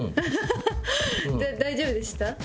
大丈夫でした？